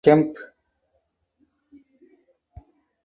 Kemp.